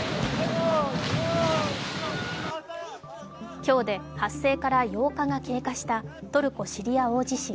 今日で発生から８日が経過したトルコ・シリア大地震。